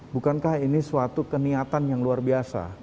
bukankah ini suatu keniatan yang luar biasa